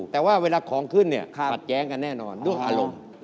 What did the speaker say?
แต่ว่าเวลาของขึ้นเนี่ยขัดแย้งกันแน่นอนด้วยอารมณ์